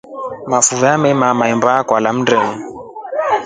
Mafuve amemaama mahemba kulya mndeni.